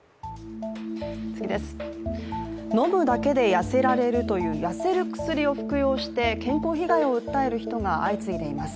飲むだけで痩せられるという痩せる薬を服用して健康被害を訴える人が相次いでいます。